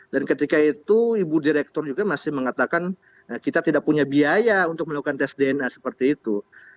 dan ketika itu ibu direktur juga masih mengatakan kita tidak punya biaya untuk melakukan tes dna seperti itu